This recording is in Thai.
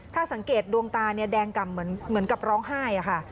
ถ้าสังเกตดวงตาเนี่ยแดงกำเหมือนกับร้องไห้ค่ะ